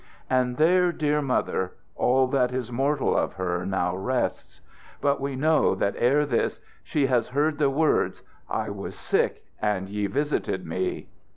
And there, dear Mother, all that is mortal of her now rests. But we know that ere this she has heard the words: 'I was sick and ye visited me.'